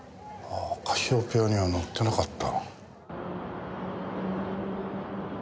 カシオペアには乗ってなかった。